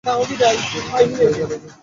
কী দারুণ প্লেজারিজম!